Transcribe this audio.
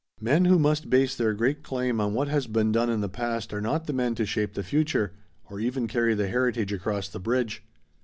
Men who must base their great claim on what has been done in the past are not the men to shape the future or even carry the heritage across the bridge.